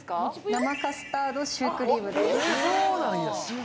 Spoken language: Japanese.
生カスタードシュークリームです。